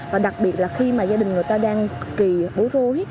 và đặc biệt là khi mà gia đình người ta đang cực kỳ bối rối